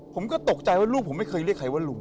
ผมก็ตกใจว่าลูกผมไม่เคยเรียกใครว่าลุง